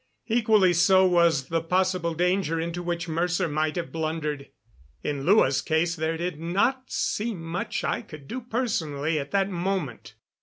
Equally so was the possible danger into which Mercer might have blundered. In Lua's case there did not seem much I could do personally at that moment.